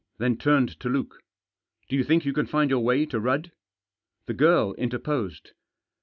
Then turned to Luke. " Do you think you can find your way to Rudd ?" The girl interposed.